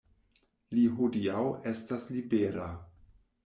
Li hodiaŭ estas libera.